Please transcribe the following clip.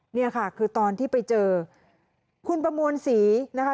เนี่ยค่ะคือตอนที่ไปเจอคุณประมวลศรีนะคะ